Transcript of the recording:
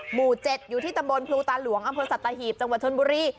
หมู่เจ็ดอยู่ที่ตำบลภูตาหลวงสถานสัตตาหีบจังหวัดธนบุรี